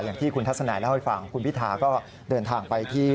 อย่างที่คุณทัศนายเล่าให้ฟัง